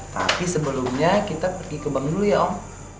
tapi sebelumnya kita pergi ke bank dulu ya om